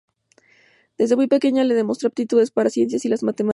Desde muy pequeña demostró aptitudes para las ciencias y la matemática.